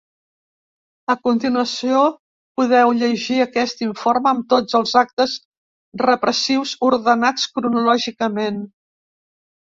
A continuació podeu llegir aquest informe amb tots els actes repressius ordenats cronològicament.